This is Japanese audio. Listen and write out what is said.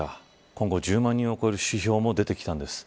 今後、１０万人を超える指標も出てきたんです。